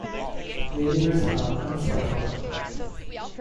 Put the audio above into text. Variables are unsupported.